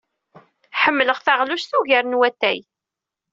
Ḥemmleɣ taɣlust ugar n watay.